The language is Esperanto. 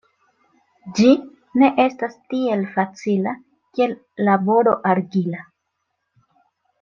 Ĝi ne estas tiel facila, kiel laboro argila.